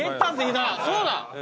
そうだ！